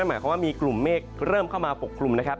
หมายความว่ามีกลุ่มเมฆเริ่มเข้ามาปกคลุมนะครับ